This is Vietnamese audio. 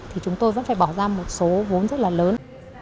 thì chúng tôi vẫn phải bỏ ra một số vốn rất là lớn